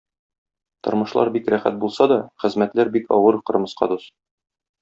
Тормышлар бик рәхәт булса да, хезмәтләр бик авыр, кырмыска дус.